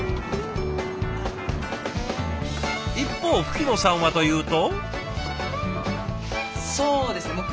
一方吹野さんはというと。